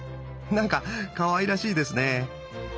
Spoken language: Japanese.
なんかかわいらしいですね。